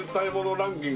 ランキング